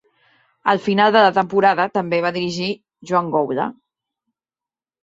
Al final de la temporada també va dirigir Joan Goula.